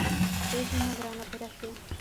Es una gran operación.